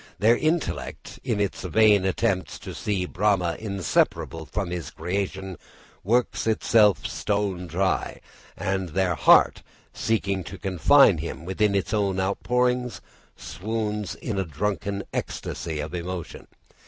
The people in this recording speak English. Their intellect, in its vain attempts to see Brahma inseparable from his creation, works itself stone dry, and their heart, seeking to confine him within its own outpourings, swoons in a drunken ecstasy of emotion.